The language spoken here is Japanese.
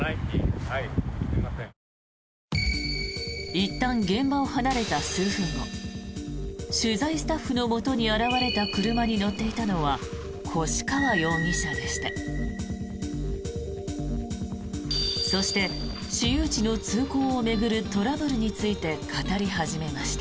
いったん現場を離れた数分後取材スタッフのもとに現れた車に乗っていたのは越川容疑者でした。